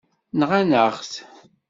Nɣan-aɣ-t.